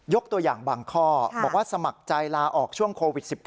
ตัวอย่างบางข้อบอกว่าสมัครใจลาออกช่วงโควิด๑๙